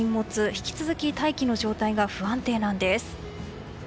引き続き大気の状態が不安定なんです。